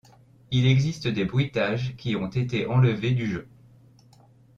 Il existe des bruitages qui ont été enlevés du jeu.